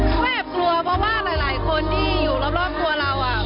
แม่กลัวเพราะว่าหลายคนที่อยู่รอบตัวเราอ่ะ